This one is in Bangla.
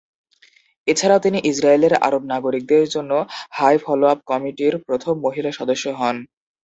এছাড়াও তিনি ইসরায়েলের আরব নাগরিকদের জন্য হাই ফলো-আপ কমিটির প্রথম মহিলা সদস্য হন।